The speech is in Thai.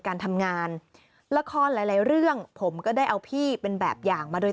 การทำงานละครหลายหลายเรื่องผมก็ได้เอาพี่เป็นแบบอย่างมาโดย